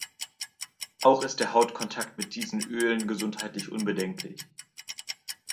Auch ist der Hautkontakt mit diesen Ölen gesundheitlich unbedenklich.